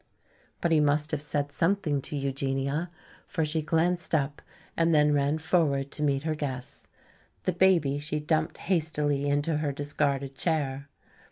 But he must have said something to Eugenia, for she glanced up and then ran forward to meet her guests. The baby she dumped hastily into her discarded chair.